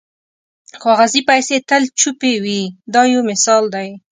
کاغذي پیسې تل چوپې وي دا یو مثال دی.